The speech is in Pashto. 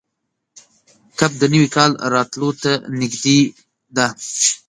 کب د نوي کال راتلو ته نږدې ده.